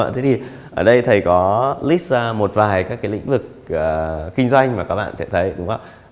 thế thì ở đây thầy có lit ra một vài các cái lĩnh vực kinh doanh mà các bạn sẽ thấy đúng không ạ